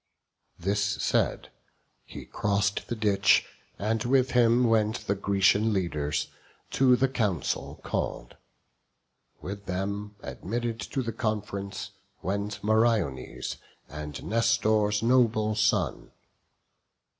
This said, he cross'd the ditch, and with him went The Grecian leaders, to the council call'd: With them, admitted to the conf'rence, went Meriones, and Nestor's noble son.